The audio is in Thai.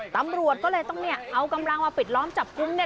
ตำรวจก็เลยต้องเนี่ยเอากำลังมาปิดล้อมจับกุมเนี่ย